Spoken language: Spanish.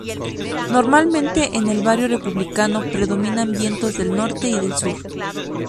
Normalmente en el barrio Republicano predominan vientos del norte y del sur.